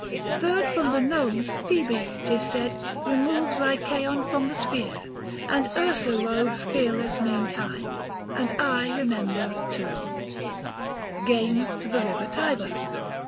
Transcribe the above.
Third from the nones Phoebe, 'tis said, removes Lycaon from the sphere, and Ursa roves Fearless meantime ; and I remember, too, 280 GAMES TO THE RIVER TIBER.